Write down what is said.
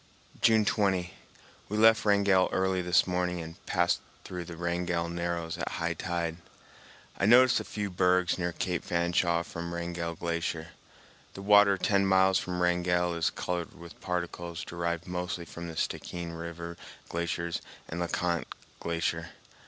June 20. We left Wrangell early this morning and passed through the Wrangell Narrows at high tide. I noticed a few bergs near Cape Fanshawe from Wrangell Glacier. The water ten miles from Wrangell is colored with particles derived mostly from the Stickeen River glaciers and Le Conte Glacier.